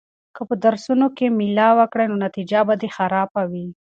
که ته په درسونو کې مېله وکړې نو نتیجه به دې خرابه وي.